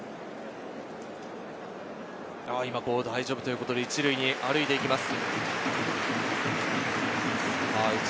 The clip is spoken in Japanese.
大丈夫ということで１塁に行きます。